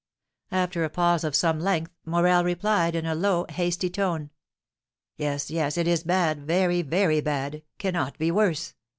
After a pause of some length, Morel replied, in a low, hasty tone: "Yes, yes; it is bad, very, very bad; cannot be worse!"